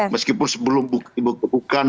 meskipun sebelum bukaan